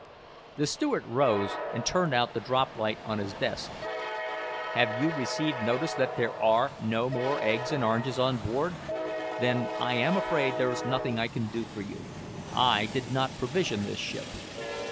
The steward rose and turned out the drop light on his desk. "Have you received notice that there are no more eggs and oranges on board? Then I am afraid there is nothing I can do for you. I did not provision this ship."